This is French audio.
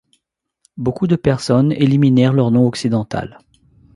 Beaucoup de personnes éliminèrent leur nom occidental.